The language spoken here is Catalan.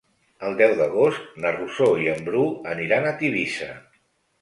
El deu d'agost na Rosó i en Bru aniran a Tivissa.